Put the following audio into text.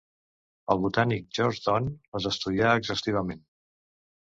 El botànic George Don les estudià exhaustivament.